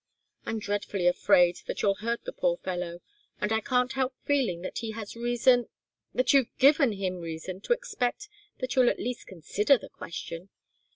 I'm dreadfully afraid that you'll hurt the poor fellow, and I can't help feeling that he has reason that you've given him reason to expect that you'll at least consider the question.